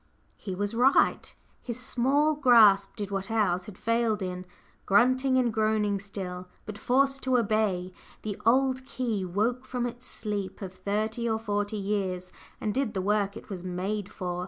He was right; his small grasp did what ours had failed in. Grunting and groaning still, but forced to obey, the old key woke from its sleep of thirty or forty years and did the work it was made for.